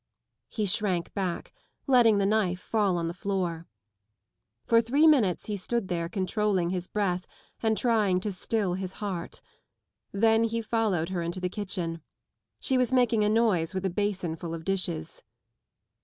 " He shrank back, letting the knife fall on the floor, For three minutes he stood 104 thro controlling Us breath and trying to still his heart. Then he followed her Into the kitchen. She was making a noise with a basinful of dishes.